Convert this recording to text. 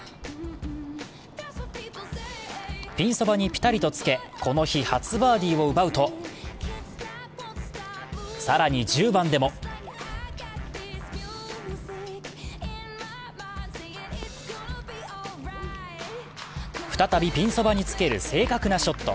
ピンそばにぴたりとつけこの日初バーディーを奪うと更に１０番でも再びピンそばにつける正確なショット。